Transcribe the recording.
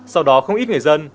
sau đó không ít người dân